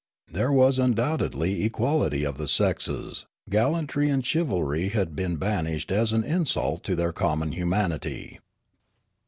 There was undoubtedly equality of the sexes ; gallantry and chivalry had been banished as an insult to their common humanity.